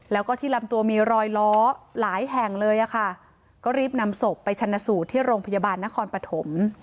แล้วก็ที่ลำตัวมีรอยล้อหลายแห่งเลยอะค่ะก็รีบนำศพไปชนะสูตรที่โรงพยาบาลนครปฐม